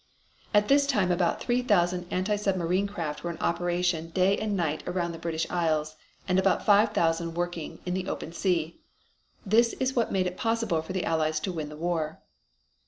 At this time about three thousand anti submarine craft were in operation day and night around the British Isles, and about five thousand working in the open sea. This was what made it possible for the Allies to win the war.